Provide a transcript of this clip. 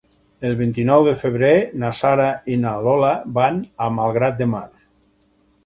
El vint-i-nou de febrer na Sara i na Lola van a Malgrat de Mar.